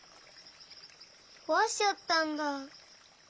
こわしちゃったんだ。